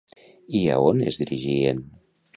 I a on es dirigien?